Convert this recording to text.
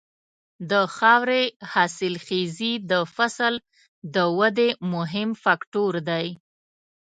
د خاورې حاصلخېزي د فصل د ودې مهم فکتور دی.